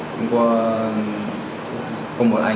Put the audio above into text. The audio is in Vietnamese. không có anh ở trên lát